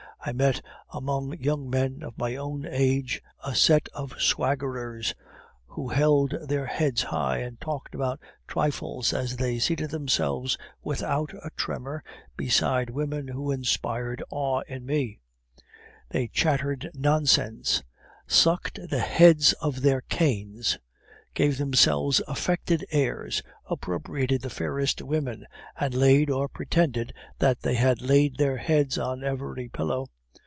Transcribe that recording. I met, among young men of my own age, a set of swaggerers who held their heads high, and talked about trifles as they seated themselves without a tremor beside women who inspired awe in me. They chattered nonsense, sucked the heads of their canes, gave themselves affected airs, appropriated the fairest women, and laid, or pretended that they had laid their heads on every pillow.